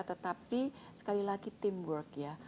tetapi sekali lagi teamwork ya